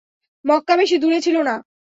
মক্কা বেশি দূরে ছিল না।